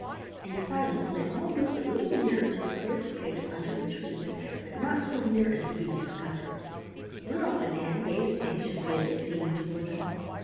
In silence they all moved a little nearer to the cleared space under the tree, but not so near as to be discovered. Rudolf and Ann gazed anxiously at the scene before them.